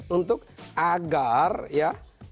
untuk agar ya